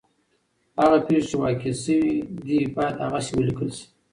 هغه پېښې چي واقع سوي دي باید هغسي ولیکل سي.